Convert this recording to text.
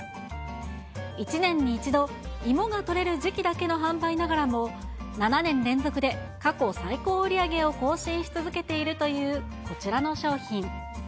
１年に１度、芋が取れる時期だけの販売ながらも、７年連続で過去最高売り上げを更新し続けているという、こちらの商品。